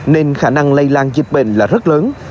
nên khả năng lây lan dịch bệnh là rất lớn